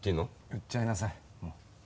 言っちゃいなさい。